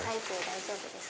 大丈夫です。